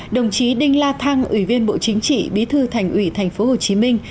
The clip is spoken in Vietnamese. đồng chí đinh la thang ủy viên bộ chính trị bí thư thành ủy tp hcm